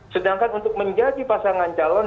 sedangkan untuk menjadi pasangan calon